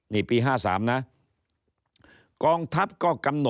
นี่ปี๕๓นะ